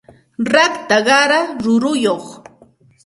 rakta qara ruruyuq